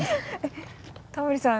タモリさん